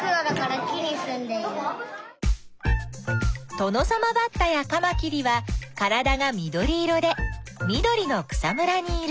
トノサマバッタやカマキリはからだが緑色で緑の草むらにいる。